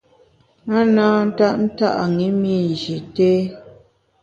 A na ntap nta’ ṅi mi Nji té.